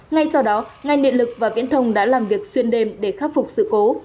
ngay sau đó ngành điện lực và viễn thông đã làm việc xuyên đêm để khắc phục sự cố